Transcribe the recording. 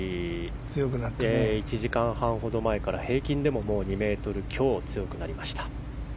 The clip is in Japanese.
１時間半ほど前から平均でも２メートル強強くなりました。